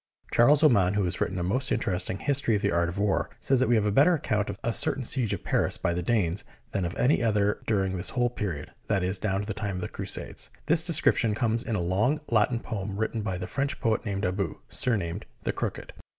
Charles Oman, who has written a most interest ing " History of the Art of War," says that we have a better account of a certain siege of Paris by the Danes than of any other during this whole pe riod, that is, down to the time of the Crusades. This description comes in a long Latin poem written by a French poet named Abbou, surnamed " The Crooked."